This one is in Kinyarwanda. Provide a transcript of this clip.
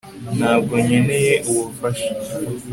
ntabwo nkeneye ubufasha